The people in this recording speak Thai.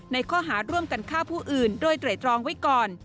ข้อหาร่วมกันฆ่าผู้อื่นโดยไตรตรองไว้ก่อน